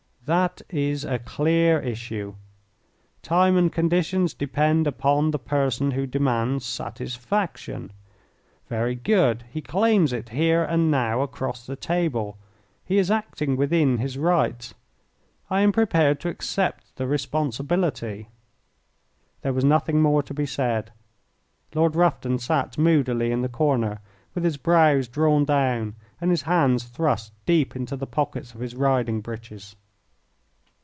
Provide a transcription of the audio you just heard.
That is a clear issue. Time and conditions depend upon the person who demands satisfaction. Very good. He claims it here and now, across the table. He is acting within his rights. I am prepared to accept the responsibility." There was nothing more to be said. Lord Rufton sat moodily in the corner with his brows drawn down and his hands thrust deep into the pockets of his riding breeches.